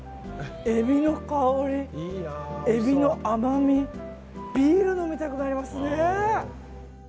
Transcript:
エビの香り、エビの甘みビールを飲みたくなりますね。